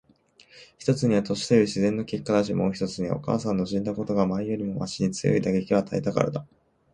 一つには年という自然の結果だし、もう一つにはお母さんの死んだことがお前よりもわしに強い打撃を与えたからだ。